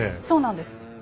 そうなんです。